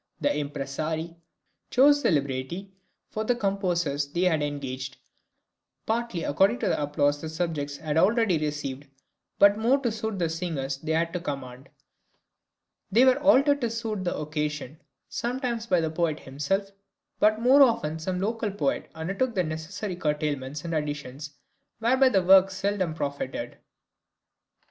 The impresarii chose the libretti for the composers they had engaged, partly according to the applause the subjects had already received, but more to suit the singers they had at command. They were altered to suit the occasion sometimes by the poet himself, but more often some local poet undertook the necessary curtailments and additions, whereby the work seldom profited.